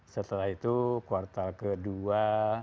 setelah itu kuartal kedua dua ribu dua puluh dua